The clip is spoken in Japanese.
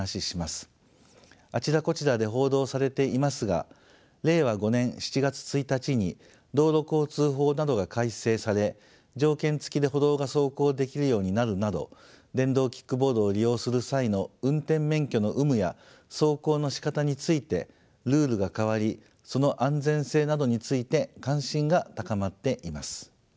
あちらこちらで報道されていますが令和５年７月１日に道路交通法などが改正され条件付きで歩道が走行できるようになるなど電動キックボードを利用する際の運転免許の有無や走行のしかたについてルールが変わりその安全性などについて関心が高まっています。